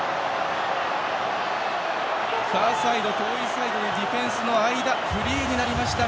ファーサイド、遠いサイドディフェンスの間フリーになりました